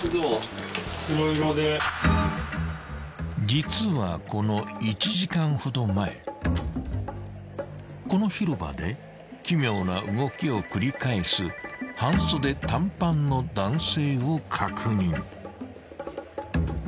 ［実はこの１時間ほど前この広場で奇妙な動きを繰り返す半袖短パンの男性を確認］